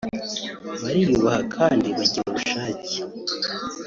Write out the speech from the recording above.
bariyubaha kandi bagira ubushake